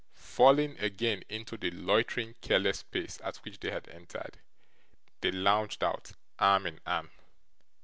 Falling, again, into the loitering, careless pace at which they had entered, they lounged out, arm in arm.